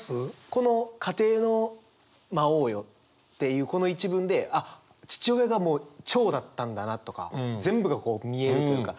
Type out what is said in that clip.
この「家庭の魔王よ」っていうこの一文であっ父親が長だったんだなとか全部がこう見えるというか。